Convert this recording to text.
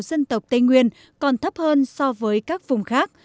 một tây nguyên còn thấp hơn so với các vùng khác